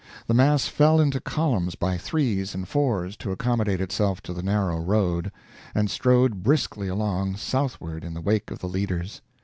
The mass fell into columns by threes and fours to accommodate itself to the narrow road, and strode briskly along southward in the wake of the leaders.